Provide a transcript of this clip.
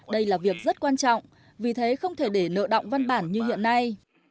đây là việc rất quan trọng vì thế không thể để nợ động văn bản như hiện nay